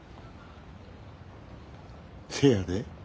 せやで。